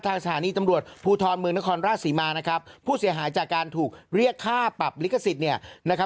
สถานีตำรวจภูทรเมืองนครราชศรีมานะครับผู้เสียหายจากการถูกเรียกค่าปรับลิขสิทธิ์